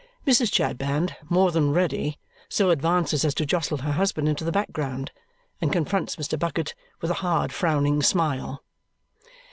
Mrs. Chadband, more than ready, so advances as to jostle her husband into the background and confronts Mr. Bucket with a hard, frowning smile.